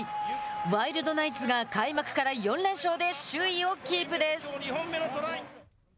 ワイルドナイツが開幕から４連勝で首位をキープです。